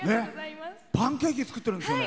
パンケーキ作ってるんですよね。